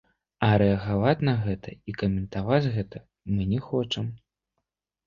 А рэагаваць на гэта і каментаваць гэта мы не хочам.